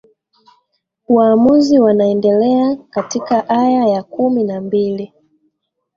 waamuzi wanaendelea katika aya ya kumi na mbili